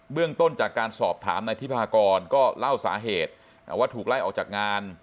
เรื่องต้นจากการสอบถามนายทิพากรก็เล่าสาเหตุว่าถูกไล่ออกจากงาน